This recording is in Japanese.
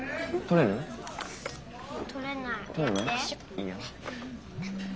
いいよ。